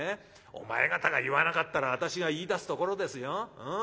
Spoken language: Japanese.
お前方が言わなかったら私が言いだすところですよ。